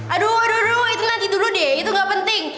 aduh waduh itu nanti dulu deh itu gak penting